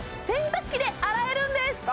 洗濯機で洗えるんです